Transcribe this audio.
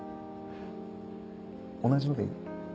同じのでいい？